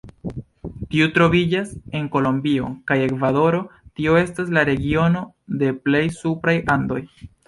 Tiu troviĝas en Kolombio kaj Ekvadoro, tio estas la regiono de plej supraj Andoj.